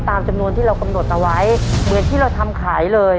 ตามจำนวนที่เรากำหนดเอาไว้เหมือนที่เราทำขายเลย